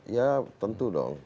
ya tentu dong